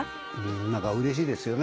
何かうれしいですよね。